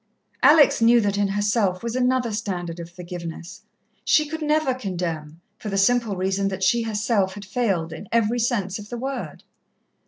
Alex knew that in herself was another standard of forgiveness; she could never condemn, for the simple reason that she herself had failed, in every sense of the word.